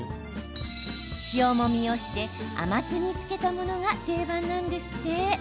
塩もみをして甘酢に漬けたものが定番なんですって。